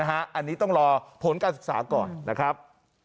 อันนี้ต้องรอผลการศึกษาก่อนนะครับ